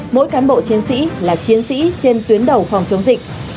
mỗi cán bộ chiến sĩ là chiến sĩ trên tuyến đầu phòng chống dịch